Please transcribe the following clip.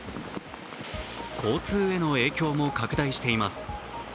交通への影響も拡大しています。